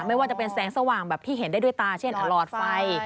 ไม่ว่าจะเป็นแสงสว่างแบบที่เห็นได้ด้วยตาเช่นหลอดไฟ